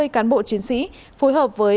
bốn mươi cán bộ chiến sĩ phối hợp với